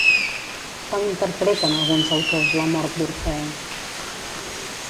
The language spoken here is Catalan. Com interpreten alguns autors la mort d'Orfeu?